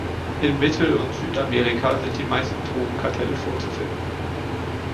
In Mittel- und Südamerika sind die meisten Drogenkartelle vorzufinden.